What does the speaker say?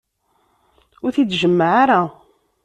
Ur t-id-jemmeɛ ara.